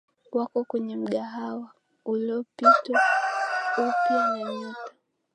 wako kwenye mgahawa uliopitiwa upya na nyota